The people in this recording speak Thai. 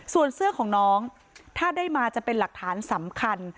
ส่วนเสื้อของน้องถ้าได้มาจะเป็นหลักฐานสำคัญ